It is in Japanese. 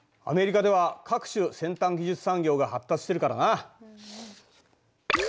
アメリカでは各種先端技術産業が発達してるからな。